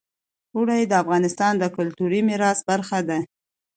اوړي د افغانستان د کلتوري میراث برخه ده.